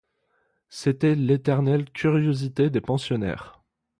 C'était l'éternelle curiosité des pensionnaires.